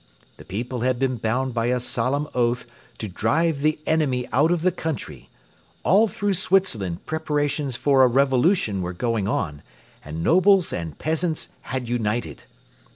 The people had been bound by a solemn oath to drive the enemy out of the country. All through Switzerland preparations for a revolution were going on, and nobles and peasants had united.